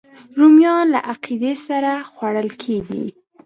رومیان له عقیدې سره خوړل کېږي